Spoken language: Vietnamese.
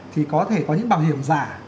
thì có thể có những bảo hiểm giả